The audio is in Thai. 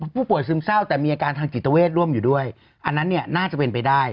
ซึมเศร้าแต่มีอาการทางจิตเวทร่วมอยู่ด้วยอันนั้นเนี่ยน่าจะเป็นไปได้